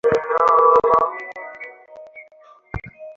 শ্রীরাকৃষ্ণের মধ্যে তোমরা সেই আদর্শ পেয়েছ।